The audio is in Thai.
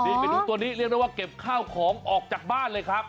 นี่ไปดูตัวนี้เรียกได้ว่าเก็บข้าวของออกจากบ้านเลยครับ